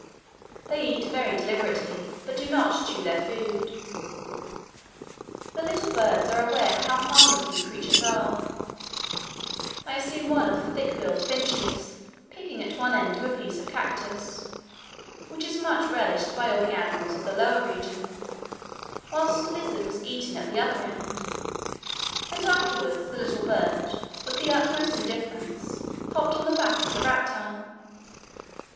They eat very deliberately, but do not chew their food. The little birds are aware how harmless these creatures are: I have seen one of the thick billed finches picking at one end of a piece of cactus (which is much relished by all the animals of the lower region), whilst a lizard was eating at the other end; and afterwards the little bird with the utmost indifference hopped on the back of the reptile.